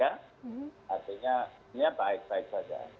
artinya ini baik baik saja